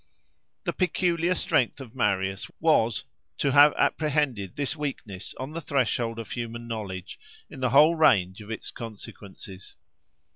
The peculiar strength of Marius was, to have apprehended this weakness on the threshold of human knowledge, in the whole range of its consequences.